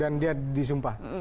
dan dia disumpah